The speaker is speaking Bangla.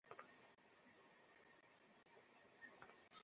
কথা দাও তুমি আমার ছেলেকে সুখে রাখবে।